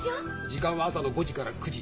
時間は朝の５時から９時。